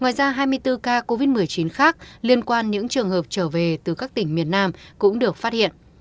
ngoài ra hai mươi bốn ca covid một mươi chín khác liên quan những trường hợp trở về từ các tỉnh miền nam cũng được phát hiện